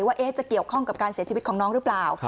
ว่าจะเกี่ยวข้องกับการเสียชีวิตของน้องหรือเปล่า